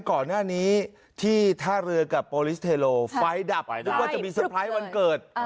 ก่อนหน้านี้ที่ท่าเรือกับโปรลิสเทโลไฟดับนึกว่าจะมีเซอร์ไพรส์วันเกิด